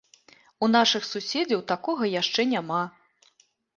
У нашых суседзяў такога яшчэ няма.